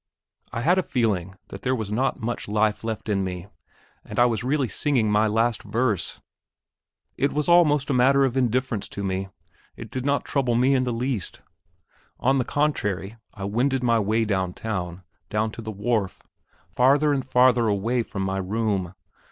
I had a feeling that there was not much life left in me that I was really singing my last verse. It was almost a matter of indifference to me; it did not trouble me in the least. On the contrary, I wended my way down town, down to the wharf, farther and farther away from my room.